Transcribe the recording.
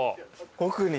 奥に。